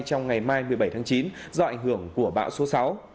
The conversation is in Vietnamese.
trong ngày mai một mươi bảy tháng chín do ảnh hưởng của bão số sáu